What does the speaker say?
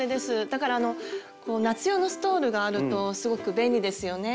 だから夏用のストールがあるとすごく便利ですよね。